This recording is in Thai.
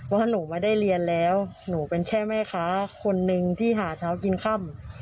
ว่าหนูไม่ได้เรียนแล้วหนูเป็นแค่แม่ค้าคนนึงที่หาเช้ากินค่ำ